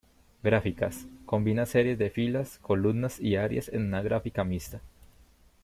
Gráficas: Combina series de filas, columnas y áreas en una única gráfica mixta.